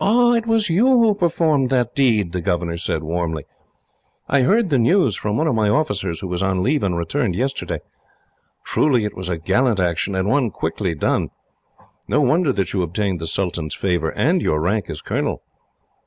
"Ah, it was you who performed that deed!" the governor said, warmly. "I heard the news, from one of my officers who was on leave, and returned yesterday. Truly it was a gallant action, and one quickly done. No wonder that you obtained the sultan's favour, and your rank as colonel.